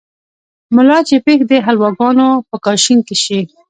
ملا چې پېښ دحلواګانو په کاشين شي